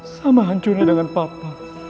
sama hancurnya dengan papa